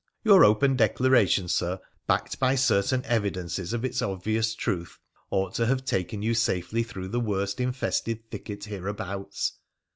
' Your open declaration, Sir, backed by certain evidences of its obvious truth, ought to have taken you safely through the worst infested thicket hereabouts.'